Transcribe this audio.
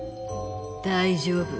大丈夫！